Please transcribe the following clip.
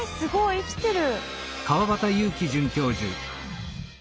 生きてる。